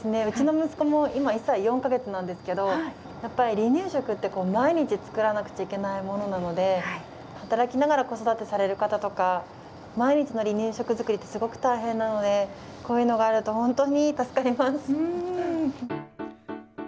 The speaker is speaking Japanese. うちの息子も今１歳４か月なんですけどやっぱり離乳食って毎日作らなくちゃいけないものなので働きながら子育てされる方とか毎日の離乳食作りってすごく大変なのでこういうのがあると本当に助かります。